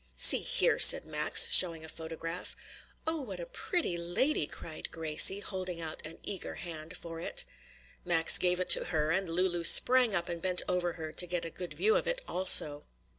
"See here!" said Max, showing a photograph. "Oh, what a pretty lady!" cried Gracie, holding out an eager hand for it. Max gave it to her, and Lulu sprang up and bent over her to get a good view of it also.